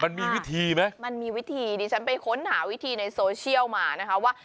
มันมีวิธีไหมมันมีวิธีดิฉันไปค้นหาวิธีในโซเชียลมานะคะว่า